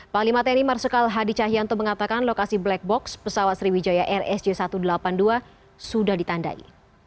pak limateni marsukal hadi cahyanto mengatakan lokasi black box pesawat sriwijaya rs sj satu ratus delapan puluh dua sudah ditandai